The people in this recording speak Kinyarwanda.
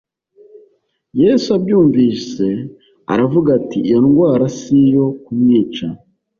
Yesu abyumvise aravuga ati iyo ndwara si iyo kumwica.